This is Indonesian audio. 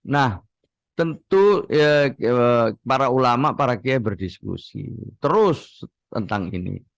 nah tentu para ulama para kiai berdiskusi terus tentang ini